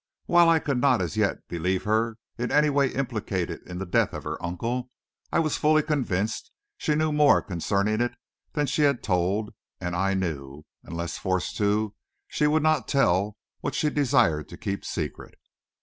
While I could not, as yet, believe her in any way implicated in the death of her uncle, I was fully convinced she knew more concerning it than she had told and I knew, unless forced to, she would not tell what she desired to keep secret.